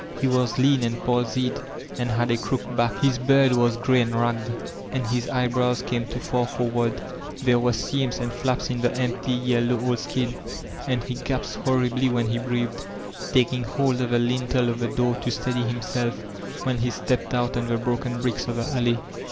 He was lean and palsied, and had a crooked back ; his beard was grey and ragged, and his eyebrows came too far forward ; there were seams and flaps in the en^ty, yeUow old sidn, and he gasped horribly when he breathed, taking hold of the lintd of the door to steady himself when he stepped out oo the broken brides of the alley.